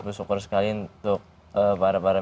bersyukur sekali untuk para para